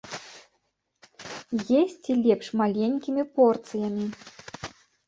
Есці лепш маленькімі порцыямі.